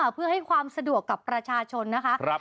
เพื่อให้ความสะดวกกับประชาชนนะคะ